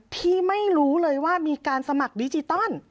ที่ไม่รู้เลยว่ามีการสมัครดิจิตอล